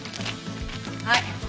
はい。